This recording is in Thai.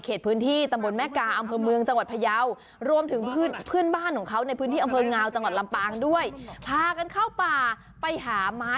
ข้าวหลาม